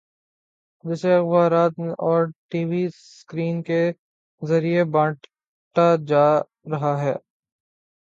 جسے اخبارات اور ٹی وی سکرین کے ذریعے بانٹا جا رہا ہے۔